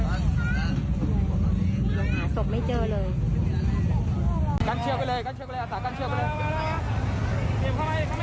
หาศพไม่เจอเลย